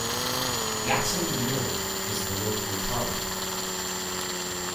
Yaxham Mill is the local pub.